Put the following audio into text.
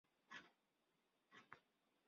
ګاونډي ته بد نه غواړه